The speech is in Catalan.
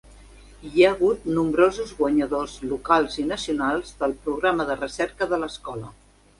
Hi ha hagut nombrosos guanyadors locals i nacionals del programa de recerca de l'escola.